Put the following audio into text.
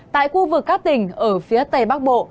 tại khu vực các tỉnh ở phía tây bắc bộ